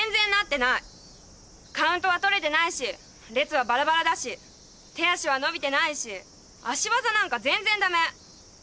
カウントは取れてないし列はバラバラだし手足は伸びてないし脚技なんか全然ダメ。